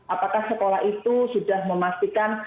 apakah sekolah itu sudah memastikan